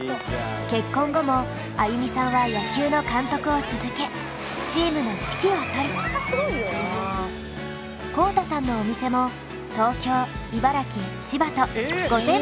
結婚後も安祐美さんは野球の監督を続けチームの指揮を執り公太さんのお店も東京茨城千葉とえっすごいやん！